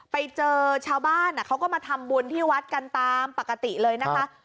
ไปเจอชาวบ้านเขาก็มาทำบุญที่วัดกันตามปกติเลยนะคะ